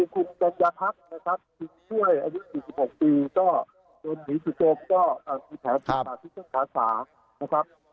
คุณจันทรัพย์ช่วยอายุ๔๖ปีโดนหิตุโกรธมีแผลประสิทธิ์ศาสตรา